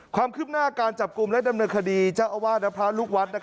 ความคืบหน้าการจับกลุ่มและดำเนินคดีเจ้าอาวาสและพระลูกวัด